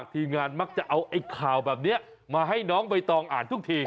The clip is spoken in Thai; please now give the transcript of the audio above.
ทีมงานมักจะเอาไอ้ข่าวแบบนี้มาให้น้องใบตองอ่านทุกที